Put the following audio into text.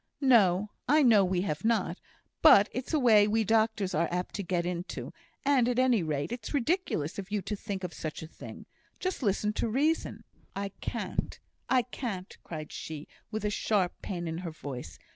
"No! I know we have not. But it's a way we doctors are apt to get into; and, at any rate, it's ridiculous of you to think of such a thing. Just listen to reason." "I can't! I can't!" cried she, with sharp pain in her voice.